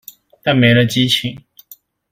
但沒了激情